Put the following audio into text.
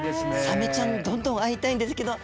サメちゃんどんどん会いたいんですけど。